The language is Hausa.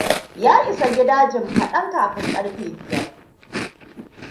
Ya isa gida jim kaɗan kafin ƙarfe biyar.